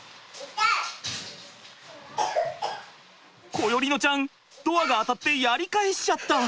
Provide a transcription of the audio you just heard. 心縁乃ちゃんドアが当たってやり返しちゃった。